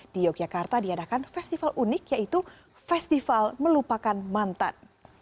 di yogyakarta diadakan festival unik yaitu festival melupakan mantan